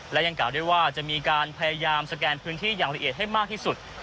และยังกล่าวด้วยว่าจะมีการพยายามสแกนพื้นที่อย่างละเอียดให้มากที่สุด